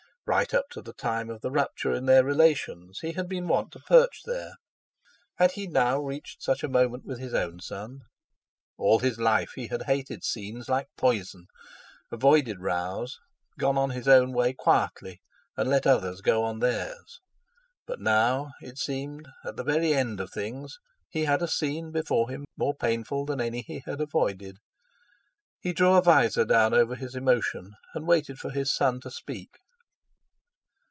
Right up to the time of the rupture in their relations he had been wont to perch there—had he now reached such a moment with his own son? All his life he had hated scenes like poison, avoided rows, gone on his own way quietly and let others go on theirs. But now—it seemed—at the very end of things, he had a scene before him more painful than any he had avoided. He drew a visor down over his emotion, and waited for his son to speak.